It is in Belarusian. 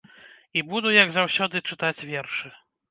І буду, як заўсёды, чытаць вершы.